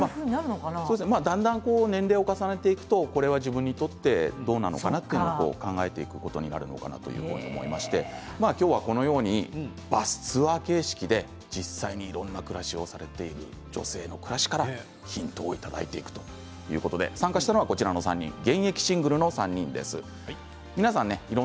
だんだん年齢を重ねていくところは自分にとってどうなのかなと考えていくことになるのかなと思いまして今日は、このようにバスツアー形式で実際にいろんな暮らしをされている女性の暮らしからヒントをいただいていくということで参加したのは３人です。